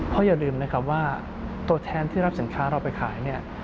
เพราะอย่าลืมนะครับว่าตัวแทนที่รับสินค้าเราไปขายเนี่ย